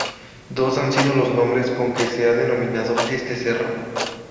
Dos han sido los nombres con que se ha denominado a este cerro.